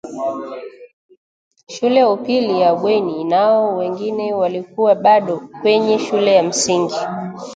shule ya upili ya bweni nao wengine walikuwa bado kwenye shule ya msingi